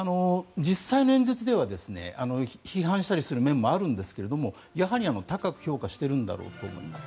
実際の演説では批判したりする面もあるんですがやはり高く評価しているんだろうと思います。